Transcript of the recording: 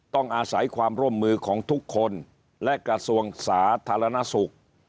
ต้องอาศัยความร่วมมือของทุกคนและกระทรวงสาธารณสุข